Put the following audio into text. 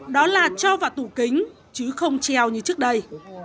đó là cho vào tủ kính chứ không treo như trước đây